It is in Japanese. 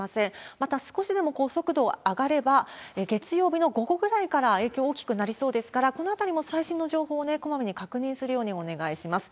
また、少しでも速度が上がれば、月曜日の午後ぐらいから影響大きくなりそうですから、このあたりも最新の情報をこまめに確認するようにお願いします。